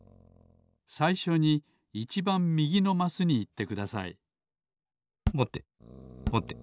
さいしょにいちばんみぎのマスにいってくださいぼてぼて。